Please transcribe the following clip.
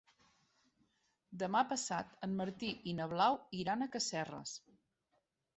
Demà passat en Martí i na Blau iran a Casserres.